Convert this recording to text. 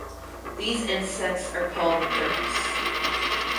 These insects are called thrips.